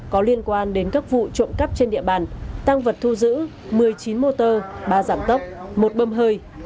có liên quan đến các vụ trộm cắp trên địa bàn tăng vật thu giữ một mươi chín motor ba giảm tốc một bâm hơi